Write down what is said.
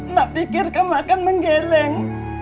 nak pikir kamu akan menggeleng